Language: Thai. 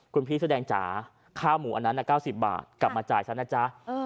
คุณพี่เสื้อแดงจ๋าค่าหมูอันนั้น๙๐บาทกลับมาจ่ายซะนะจ๊ะ